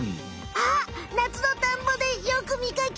あっなつのたんぼでよくみかけるよ！